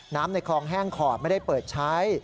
ในคลองแห้งขอดไม่ได้เปิดใช้